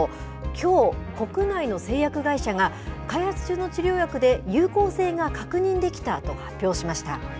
きょう、国内の製薬会社が開発中の治療薬で有効性が確認できたと発表しました。